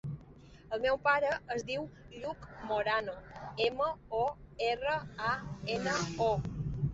El meu pare es diu Lluc Morano: ema, o, erra, a, ena, o.